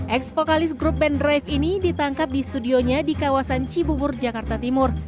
ex vokalis grup band drive ini ditangkap di studionya di kawasan cibubur jakarta timur